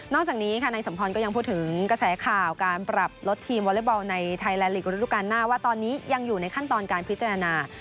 จากนี้ค่ะนายสมพรก็ยังพูดถึงกระแสข่าวการปรับลดทีมวอเล็กบอลในไทยแลนดลีกระดูกาลหน้าว่าตอนนี้ยังอยู่ในขั้นตอนการพิจารณา